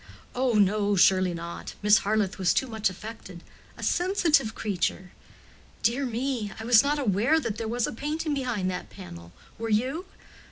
"Oh, no, surely not. Miss Harleth was too much affected. A sensitive creature!" "Dear me! I was not aware that there was a painting behind that panel; were you?"